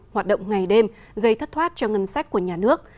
hoạt động ngày đêm gây thất thoát cho ngân sách của nhà nước